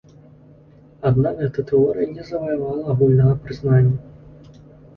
Аднак гэта тэорыя не заваявала агульнага прызнання.